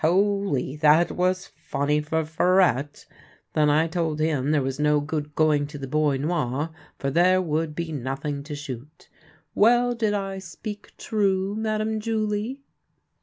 Holy ! that was funny for Farette. Then I told him there was no good going to the Bois Noir, for there would be nothing to shoot. Well, did I speak true, Madame Julie?"